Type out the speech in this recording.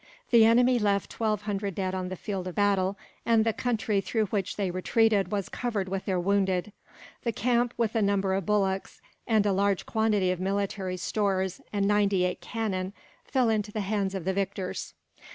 The enemy left twelve hundred dead on the field of battle, and the country through which they retreated was covered with their wounded. The camp, with a number of bullocks, and a large quantity of military stores and ninety eight cannon, fell into the hands of the victors.